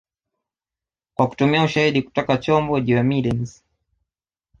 Kwa kutumia ushahidi kutoka chombo jiwe middens